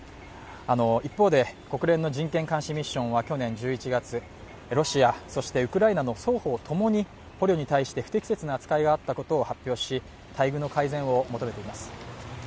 一方で、国連の人権監視団は去年１１月、ロシア、そしてウクライナの双方共に捕虜に対して不適切な扱いがあったことを発表し待遇の改善を求めています。